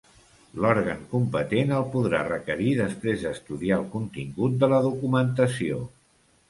L'òrgan competent el podrà requerir després d'estudiar el contingut de la documentació.